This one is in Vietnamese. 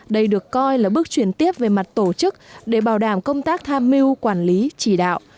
đây được coi là bước chuyển tiếp về mặt tổ chức để bảo đảm công tác tham mưu quản lý chỉ đạo